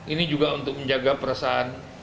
ini juga untuk menjaga perasaan